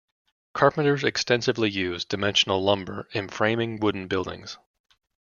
Carpenters extensively use dimensional lumber in framing wooden buildings.